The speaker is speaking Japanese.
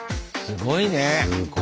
すごいね！